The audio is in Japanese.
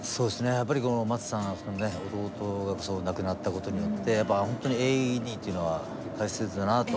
やっぱりマツさん弟が亡くなったことによって本当にＡＥＤっていうのは大切だなと。